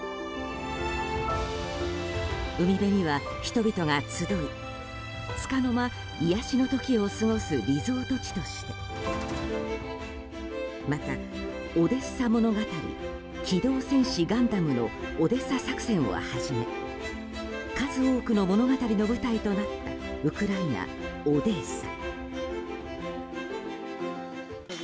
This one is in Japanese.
海辺には人々が集いつかの間、癒やしの時を過ごすリゾート地としてまた、「オデッサ物語」「機動戦士ガンダム」のオデッサ作戦をはじめ数多くの物語の舞台となったウクライナ・オデーサ。